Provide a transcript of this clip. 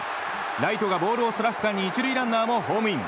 ライトがボールをそらす間に１塁ランナーもホームイン。